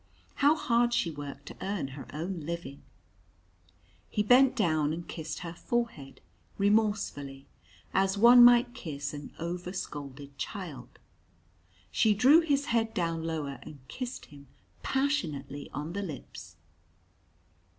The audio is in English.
How hard she worked to earn her own living! He bent down and kissed her forehead, remorsefully, as one might kiss an overscolded child. She drew his head down lower and kissed him passionately on the lips.